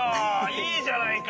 いいじゃないか。